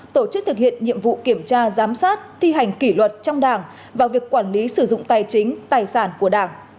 tổ chức thực hiện nhiệm vụ kiểm tra giám sát thi hành kỷ luật trong đảng và việc quản lý sử dụng tài chính tài sản của đảng